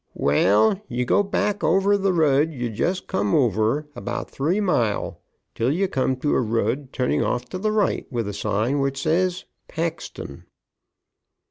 "Well, you go back over the rud you just come over, about three mile, till you come to a rud turnin' off to the right with a sign which says 'Paxton.'"